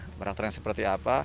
nah karakter yang seperti apa